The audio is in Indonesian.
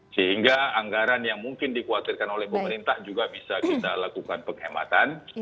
sehingga anggaran yang mungkin dikhawatirkan oleh pemerintah juga bisa kita lakukan penghematan